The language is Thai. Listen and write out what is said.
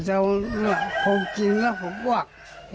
อ๋อจันเจ้าผมกินแล้วผมว่าก